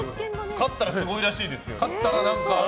勝ったらすごいらしいですよ。